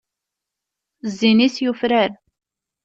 Zzin-is Yufrar.